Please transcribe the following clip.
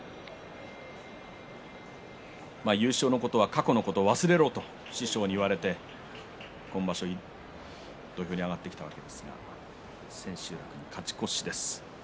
優勝のことは過去のことは忘れろと師匠に言われたと今場所、土俵に上がってきたわけですが千秋楽に勝ち越しです。